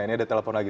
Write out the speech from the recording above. ini ada telepon lagi